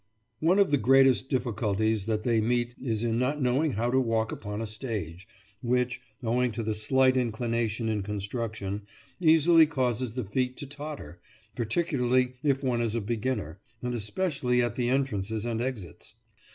One of the greatest difficulties that they meet is in not knowing how to walk upon a stage, which, owing to the slight inclination in con struction, easily causes the feet to totter, particularly if one is a beginner, and especially at the entrances and exits.